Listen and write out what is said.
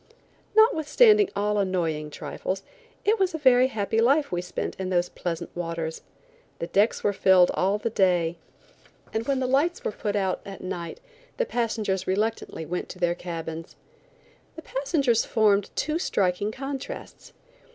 Notwithstanding all annoying trifles it was a very happy life we spent in those pleasant waters. The decks were filled all the day, and when the lights were put out at night the passengers reluctantly went to their cabins. The passengers formed two striking contrasts.